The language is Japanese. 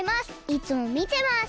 いつもみてます！